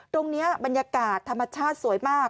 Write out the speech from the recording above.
ตรงนี้บรรยากาศธรรมชาติสวยมาก